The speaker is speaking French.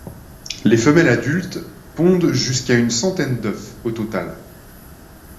Les femelles adultes pondent jusqu'à une centaine d'œufs au total.